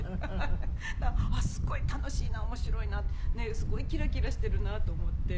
すごい楽しいな面白いなすごいキラキラしてるなと思って。